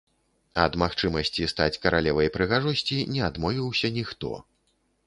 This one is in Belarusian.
Ад магчымасці стаць каралевай прыгажосці не адмовіўся ніхто.